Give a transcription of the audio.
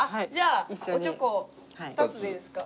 おちょこ２つでいいですか？